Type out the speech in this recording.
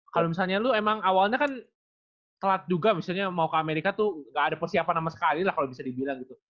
kalau misalnya lu emang awalnya kan telat juga misalnya mau ke amerika tuh gak ada persiapan sama sekali lah kalau bisa dibilang gitu